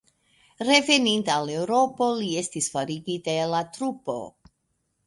Reveninta al Eŭropo li estis forigita el la trupo.